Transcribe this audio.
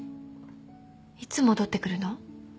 いつ戻ってくるの？